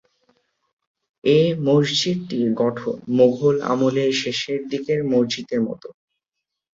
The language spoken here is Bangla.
এ মসজিদটির গঠন মোঘল আমলের শেষের দিকের মসজিদের মতো।